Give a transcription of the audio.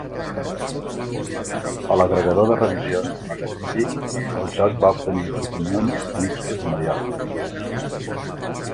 A l'agregador de revisions Metacritic, el joc va obtenir opinions "mixtes o mediocres".